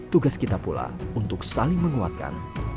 tugas kita pula untuk saling menguatkan